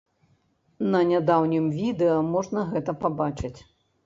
На нядаўнім відэа можна гэта пабачыць.